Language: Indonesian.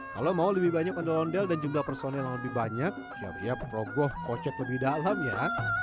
kalau mau lebih banyak ondel ondel dan jumlah personel yang lebih banyak siap siap rogoh kocek lebih dalam ya